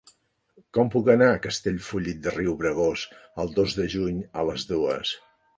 Com puc anar a Castellfollit de Riubregós el dos de juny a les dues?